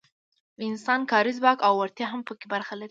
د انسان کاري ځواک او وړتیا هم پکې برخه لري.